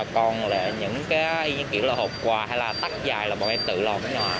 còn những kiểu hộp quà hay là tắt dài là bọn em tự lo